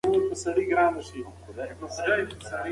تر څلور کلنۍ لاندې د ماشومانو سلنه سمه وده نه کوي.